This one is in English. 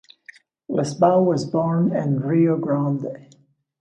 Lisboa was born in Rio Grande.